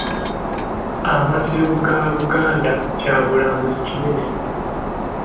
Amasiro ga Buganda kya bulambuzi kinene.